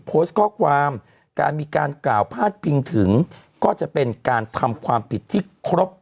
โพสต์ข้อความการมีการกล่าวพาดพิงถึงก็จะเป็นการทำความผิดที่ครบ